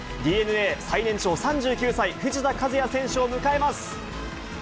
ＤｅＮＡ最年長３９歳、藤田一也選手を迎えます。